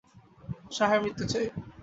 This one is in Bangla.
শাহের মৃত্যু চাই!